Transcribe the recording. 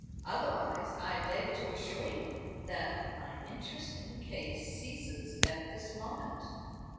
Otherwise, I beg to assure you that my interest in the case ceases at this moment."